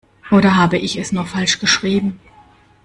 Oder habe ich es nur falsch geschrieben?